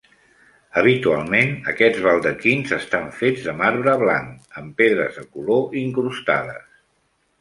Habitualment, aquests baldaquins estan fets de marbre blanc, amb pedres de color incrustades.